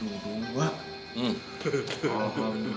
gue mau ke camper